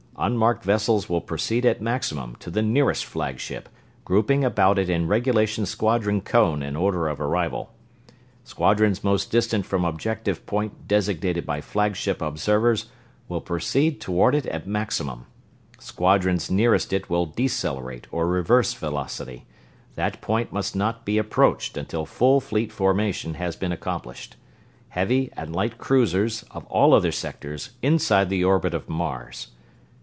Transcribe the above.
Unmarked vessels will proceed at maximum to the nearest flagship, grouping about it in regulation squadron cone in order of arrival. Squadrons most distant from objective point designated by flagship observers will proceed toward it at maximum; squadrons nearest it will decelerate or reverse velocity that point must not be approached until full Fleet formation has been accomplished. Heavy and Light Cruisers of all other sectors inside the orbit of Mars